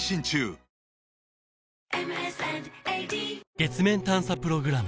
月面探査プログラム